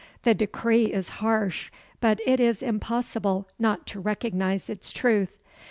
The decree is harsh, but it is impossible not to recognize its truth.